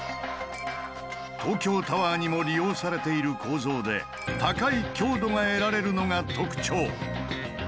東京タワーにも利用されている構造で高い強度が得られるのが特徴。